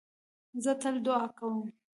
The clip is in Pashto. زه تل دؤعا کوم.